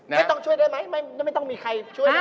ไม่ต้องช่วยได้ไหมไม่ต้องมีใครช่วยได้